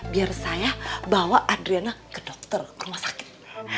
biar saya bawa adriana ke dokter ke rumah sakit